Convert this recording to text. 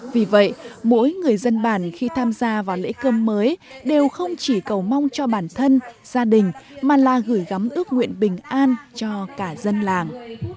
vì vậy mỗi người dân bản khi tham gia vào lễ cơm mới đều không chỉ cầu mong cho bản thân gia đình mà là gửi gắm ước nguyện bình an cho cả dân làng